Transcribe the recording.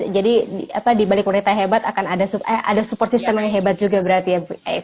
jadi di balik wanitanya hebat akan ada support system yang hebat juga berarti ya